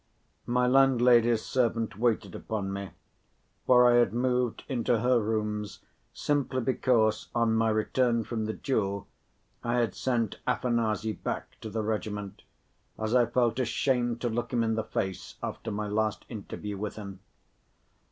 My landlady's servant waited upon me, for I had moved into her rooms simply because on my return from the duel I had sent Afanasy back to the regiment, as I felt ashamed to look him in the face after my last interview with him.